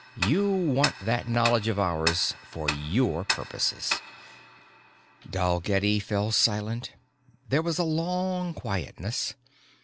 You want that knowledge of ours for your purposes!" Dalgetty fell silent. There was a long quietness.